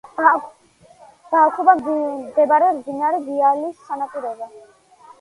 ბააქუბა მდებარეობს მდინარე დიიალის სანაპიროზე.